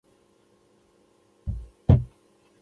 ایا ورته مینه ورکوئ؟